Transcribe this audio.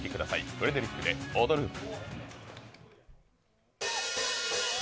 フレデリックで「オドループ」。